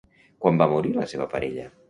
Quan va morir la seva parella?